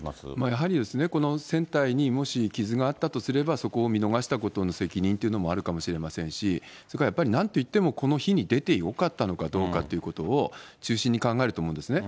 やはりこの船体にもし、傷があったとすれば、そこを見逃したことに責任っていうのもあるかもしれませんし、それからやっぱり、なんといっても、この日に出てよかったのかどうかっていうことを中心に考えると思うんですね。